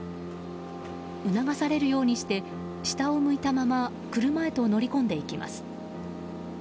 促されるようにして下を向いたまま車へと乗り込んでいきます。